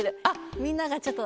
みんながちょっと。